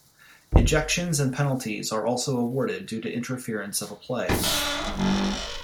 Ejections and penalties are also awarded due to interference of a play.